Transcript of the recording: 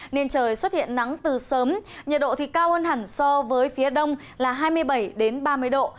nên trời xuất hiện nắng từ sớm nhiệt độ cao hơn hẳn so với phía đông là hai mươi bảy ba mươi độ